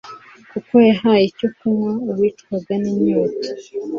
kuko yahaye icyo kunywa uwicwaga n'inyota